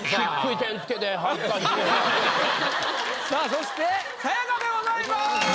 そしてさや香でございます。